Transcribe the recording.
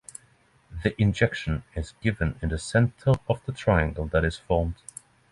The injection is given in the center of the triangle that is formed.